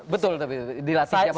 betul tapi dilatih siapa